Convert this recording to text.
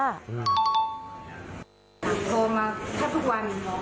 โทรมาถ้าทุกวัน